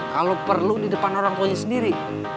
kalo perlu di depan orangtua sendiri